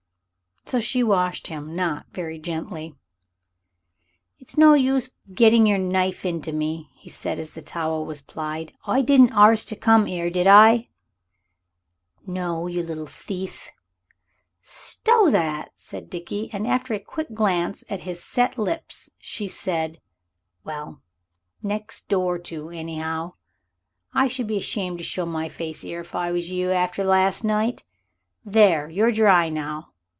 So she washed him, not very gently. "It's no use your getting your knife into me," he said as the towel was plied. "I didn't arst to come 'ere, did I?" "No, you little thief!" "Stow that!" said Dickie, and after a quick glance at his set lips she said, "Well, next door to, anyhow. I should be ashamed to show my face 'ere, if I was you, after last night. There, you're dry now.